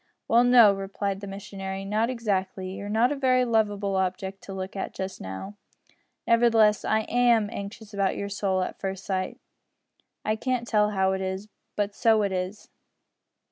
"Well, no," replied the missionary, "not exactly. You're not a very lovable object to look at just now. Nevertheless, I am anxious about your soul at first sight. I can't tell how it is, but so it is."